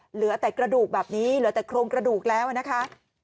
เหลือแต่กระดูกแบบนี้เหลือแต่โครงกระดูกแล้วนะคะ